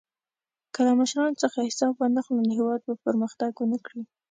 که له مشرانو څخه حساب وانخلو، نو هېواد به پرمختګ ونه کړي.